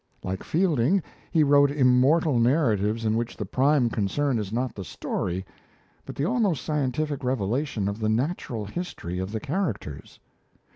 Like Fielding, he wrote immortal narratives in which the prime concern is not the "story," but the almost scientific revelation of the natural history of the characters.